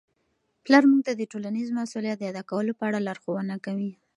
پلار موږ ته د ټولنیز مسؤلیت د ادا کولو په اړه لارښوونه کوي.